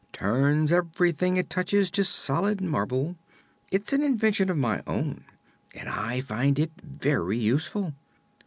"Turns everything it touches to solid marble. It's an invention of my own, and I find it very useful.